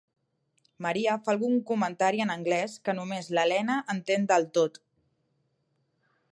Maria fa algun comentari en anglès que només l'Elena entén del tot.